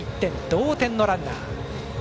同点のランナー。